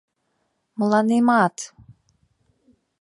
— Мыланемат!..